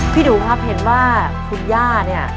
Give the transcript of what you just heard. ดูครับเห็นว่าคุณย่าเนี่ย